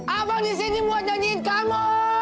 abang di sini buat nyanyiin kamu